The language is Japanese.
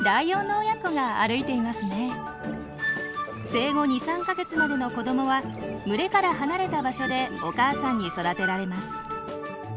生後２３か月までの子どもは群れから離れた場所でお母さんに育てられます。